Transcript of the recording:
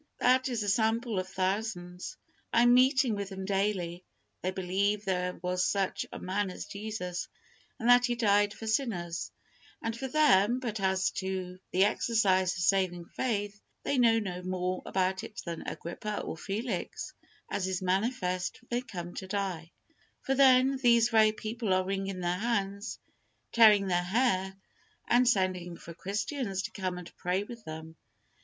That is a sample of thousands. I am meeting with them daily. They believe there was such a man as Jesus, and that He died for sinners, and for them, but as to the exercise of saving faith, they know no more about it than Agrippa or Felix, as is manifest when they come to die, for then, these very people are wringing their hands, tearing their hair, and sending for Christians to come and pray with them.